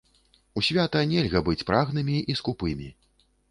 У свята нельга быць прагнымі і скупымі.